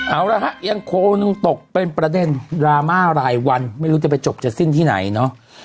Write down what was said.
เอาละฮะยังโคหนึ่งตกเป็นประเด็นดราม่ารายวันไม่รู้จะไปจบจะสิ้นที่ไหนเนาะ